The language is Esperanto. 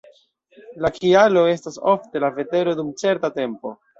La kialo estas ofte la vetero dum certa tempo.